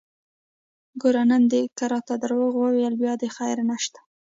ګوره نن دې که راته دروغ وويل بيا دې خير نشته!